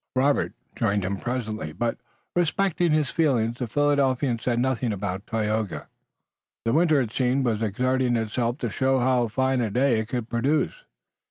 Robert joined him presently but, respecting his feelings, the Philadelphian said nothing about Tayoga. The winter, it seemed, was exerting itself to show how fine a day it could produce.